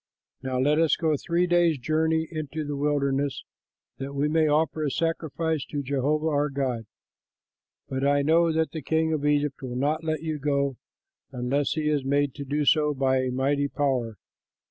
Now let us go three days' journey into the wilderness, that we may offer a sacrifice to Jehovah our God.' But I know that the king of Egypt will not let you go unless he is made to do so by a mighty power.